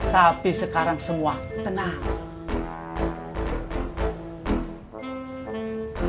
tapi sekarang semua tenang